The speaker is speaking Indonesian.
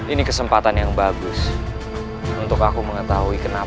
ini kesempatan yang bagus untuk aku mengetahui kenapa